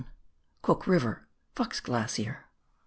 COOK RIVER FOX GLACIER.